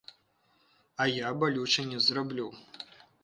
А я балюча не зраблю.